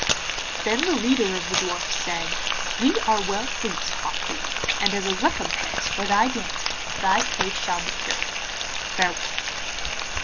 Then the leader of the dwarfs said, 'We are well pleased, Hok Lee, and as a recompense for thy dancing thy face shall be cured. Farewell.